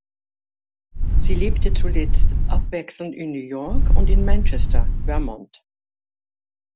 Sie lebte zuletzt abwechselnd in New York und in Manchester (Vermont).